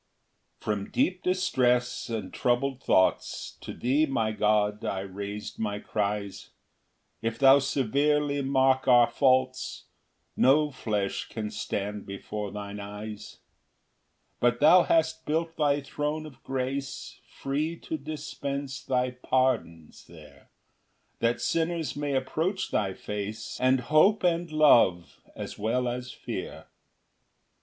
1 From deep distress and troubled thoughts, To thee, my God, I rais'd my cries; If thou severely mark our faults, No flesh can stand before thine eyes. 2 But thou hast built thy throne of grace, Free to dispense thy pardons there, That sinners may approach thy face, And hope and love, as well as fear.